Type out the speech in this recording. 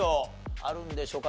あるんでしょうか？